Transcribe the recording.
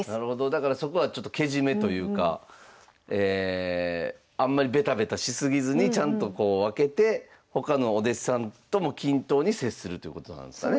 だからそこはちょっとケジメというかあんまりベタベタし過ぎずにちゃんとこう分けて他のお弟子さんとも均等に接するということなんですかね。